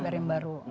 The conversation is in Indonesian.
dprd yang baru